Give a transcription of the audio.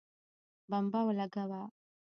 بمبه ولګوه